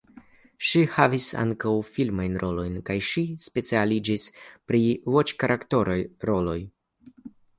Ŝi havis ankaŭ filmajn rolojn kaj ŝi specialiĝis pri voĉaktoraj roloj.